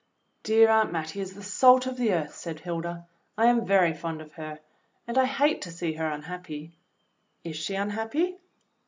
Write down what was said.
"Dear Aunt Mattie is the salt of the earth," said Hilda. "I am very fond of her, and I hate to see her unhappy." *'Is she unhappy?"